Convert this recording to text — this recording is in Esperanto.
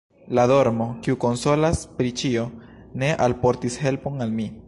La dormo, kiu konsolas pri ĉio, ne alportis helpon al mi.